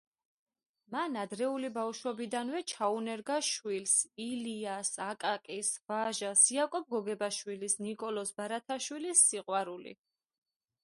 მან ადრეული ბავშვობიდანვე ჩაუნერგა შვილს ილიას, აკაკის, ვაჟას, იაკობ გოგებაშვილის, ნიკოლოზ ბარათაშვილის სიყვარული.